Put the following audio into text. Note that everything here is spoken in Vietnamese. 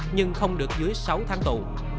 nhưng không được dưới sáu tháng tù